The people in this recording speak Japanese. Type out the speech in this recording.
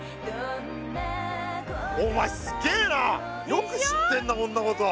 よく知ってんなこんなこと。